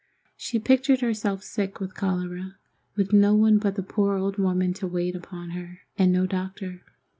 She pictured herself sick with cholera, with no one but the poor old woman to wait upon her, and no doctor.